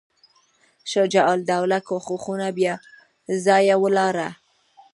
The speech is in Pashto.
شجاع الدوله کوښښونه بېځایه ولاړل.